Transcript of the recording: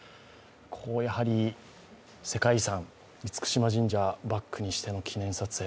やはり、世界遺産厳島神社をバックにしての写真撮影。